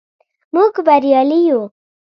موږ بریالي یو.